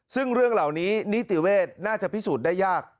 ซึ่งเรื่องเหล่านี้นิติเวชน่าจะพิสูจน์ได้ยาก